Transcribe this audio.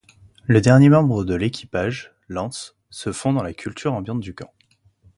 Le dernier membre de l'équipage, Lance, se fond dans la culture ambiante du camp.